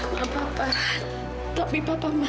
ya allah mas prabu